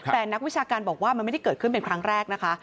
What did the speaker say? แต่นักวิชาการบอกว่ามันไม่ได้เกิดขึ้นเป็นครั้งแรกนะคะ